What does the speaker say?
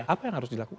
apa yang harus dilakukan